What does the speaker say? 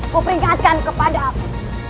kuperingatkan kepada aku